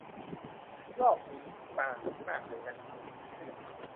รอบนี้ปลาสดมากเลยนะ